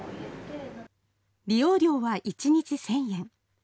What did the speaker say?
利用料は１日１０００円。